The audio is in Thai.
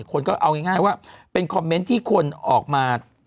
คนก็เอาง่ายว่าเป็นคอมเมนต์ที่คนออกมา